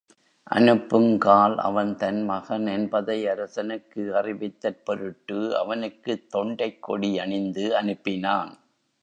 அனுப்புங்கால், அவன் தன் மகன் என்பதை அரசனுக்கு அறிவித்தற் பொருட்டு, அவனுக்குத் தொண்டைக் கொடி யணிந்து அனுப்பினாள்.